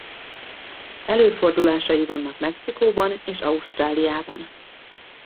Előfordulásai vannak Mexikóban és Ausztráliában.